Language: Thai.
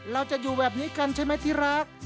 เราจะอยู่แบบนี้กันใช่ไหมที่รัก